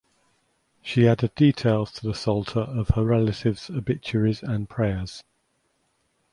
She added details to the psalter of her relatives obituaries and prayers.